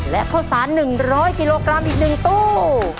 และข้าวสาร๑๐๐กิโลกรัมอีก๑ตู้